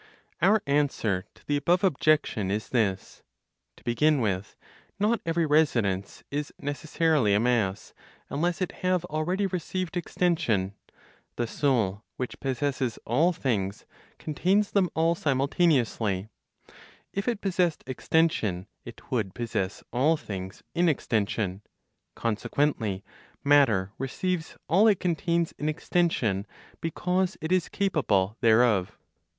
(Our answer to the above objection is this:) To begin with, not every residence is necessarily a mass, unless it have already received extension. The soul, which possesses all things, contains them all simultaneously. If it possessed extension, it would possess all things in extension. Consequently matter receives all it contains in extension, because it is capable thereof.